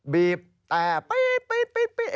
บีบแอบปีบ